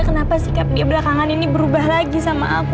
kenapa sikap dia belakangan ini berubah lagi sama aku